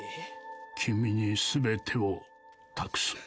「君にすべてを託す」